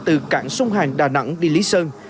từ cảng sông hàn đà nẵng đi lý sơn